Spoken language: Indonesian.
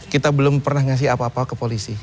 kita belum pernah ngasih apa apa ke polisi